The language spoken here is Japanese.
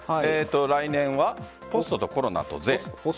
来年はポストとコロナと税。